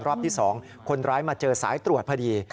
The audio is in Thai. รอบที่๒คนร้ายมาเจอสายตรวจพอดี